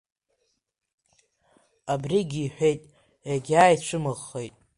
Абригьы иҳәеит, иагьааицәымыӷхеит.